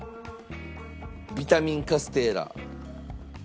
ビタミンカステーラ。